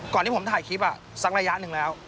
ที่ผมถ่ายคลิปสักระยะหนึ่งแล้ว